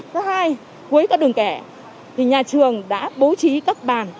thứ hai cuối các đường kẻ thì nhà trường đã bố trí các bàn